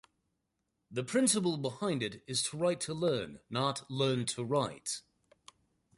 The principle behind it is 'write to learn, not learn to write'.